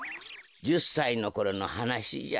１０さいのころのはなしじゃ。